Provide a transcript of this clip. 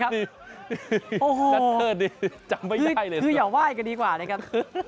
นี่ครับโอ้โหคืออย่าไหว้กันดีกว่านะครับ